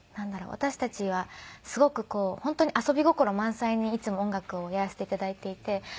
私たちはすごく本当に遊び心満載にいつも音楽をやらせて頂いていて。